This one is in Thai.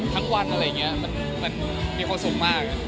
ทั้งวันอะไรอย่างเงี้ย่มันมีความสุขมาก